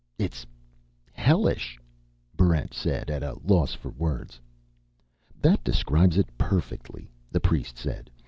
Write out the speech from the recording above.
"It's hellish," Barrent said, at a loss for words. "That describes it perfectly," the priest said.